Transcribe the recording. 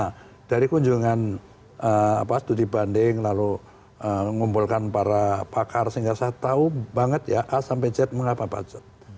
nah dari kunjungan studi banding lalu mengumpulkan para pakar sehingga saya tahu banget ya a sampai z mengapa budget